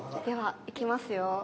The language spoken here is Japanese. ではいきますよ。